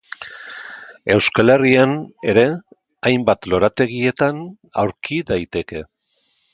Euskal Herrian ere hainbat lorategietan aurkitu daiteke.